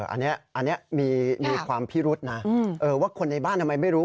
อันนี้มีความพิรุษนะว่าคนในบ้านทำไมไม่รู้